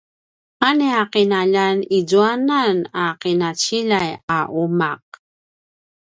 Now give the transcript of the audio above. a nia ’inaljan izuanan a ’inaciljay a uma’